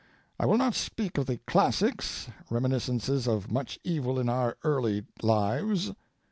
I will not speak of the classics reminiscences of much evil in our early lives.